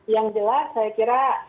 yang jelas saya kira